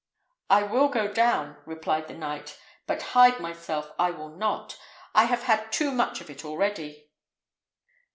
"I will go down," replied the knight. "But hide myself I will not; I have had too much of it already."